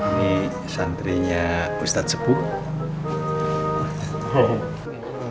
waalaikumsalam waalaikumsalam waalaikumsalam